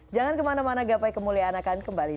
jangan kemana mana gapai kemuliaan akan kembali